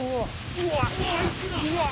うわ！